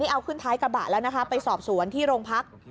เอาขึ้นท้ายกระบะแล้วนะคะไปสอบสวนที่โรงพัก